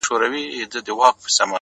زه د یویشتم قرن غضب ته فکر نه کوم ـ